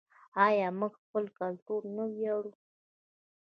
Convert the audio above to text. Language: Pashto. آیا موږ په خپل کلتور نه ویاړو؟